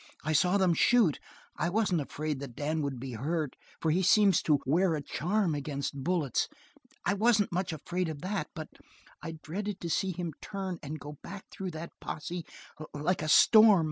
I saw them shoot. I wasn't afraid that Dan would be hurt, for he seems to wear a charm against bullets I wasn't much afraid of that, but I dreaded to see him turn and go back through that posse like a storm.